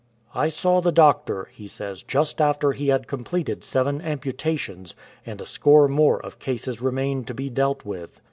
"I saw the doctor," he says, "just after he had com pleted seven amputations, and a score more of cases remained to be dealt with.